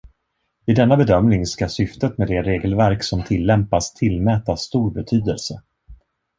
Vid denna bedömning ska syftet med det regelverk som tillämpas tillmätas stor betydelse.